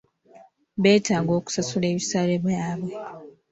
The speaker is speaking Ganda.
Beetaaga okusasula ebisale byabwe .